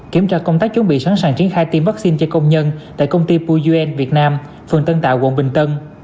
kiểm tra công tác chuẩn bị sẵn sàng triển khai tiêm vaccine cho công nhân tại công ty puyen việt nam phường tân tạo quận bình tân